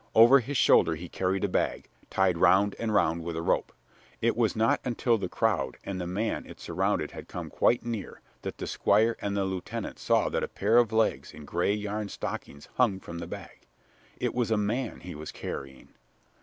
Over his shoulder he carried a bag, tied round and round with a rope. It was not until the crowd and the man it surrounded had come quite near that the Squire and the lieutenant saw that a pair of legs in gray yarn stockings hung from the bag. It was a man he was carrying.